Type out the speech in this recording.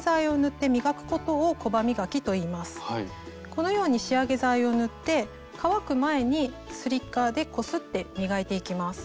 このように仕上げ剤を塗って乾く前にスリッカーでこすって磨いていきます。